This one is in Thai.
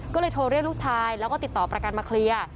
ก็เลยโทรเรียกลูกชายแล้วก็ติดต่อประกันมาเคลียร์